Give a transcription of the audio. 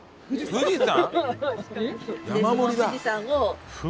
富士山？